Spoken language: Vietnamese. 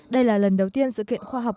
đây là lần đầu tiên sự kiện khoa học